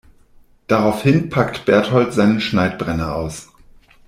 Daraufhin packt Bertold seinen Schneidbrenner aus.